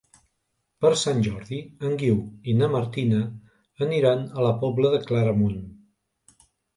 Per Sant Jordi en Guiu i na Martina aniran a la Pobla de Claramunt.